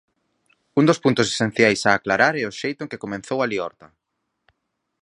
Un dos puntos esenciais a aclarar é o xeito en que comezou a liorta.